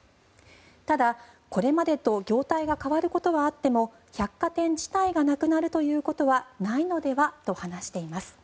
ただ、これまでと業態が変わることはあっても百貨店自体がなくなるということはないのではと話しています。